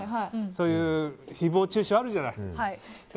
そういう誹謗中傷あるじゃない。